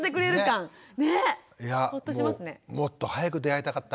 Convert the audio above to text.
いやもっと早く出会いたかった。